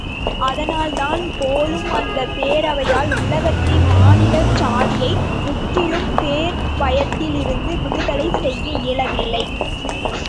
அதனால்தான் போலும் அந்தப் பேரவையால் உலகத்தை மானிட சாதியை முற்றிலும் போர்ப் பயத்திலிருந்து விடுதலை செய்ய இயலவில்லை.